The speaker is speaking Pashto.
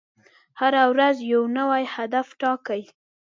هره ورځ یو نوی هدف ټاکئ.